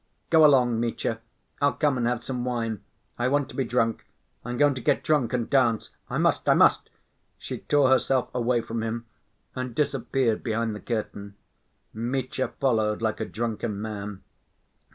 "Go along, Mitya, I'll come and have some wine, I want to be drunk, I'm going to get drunk and dance; I must, I must!" She tore herself away from him and disappeared behind the curtain. Mitya followed like a drunken man.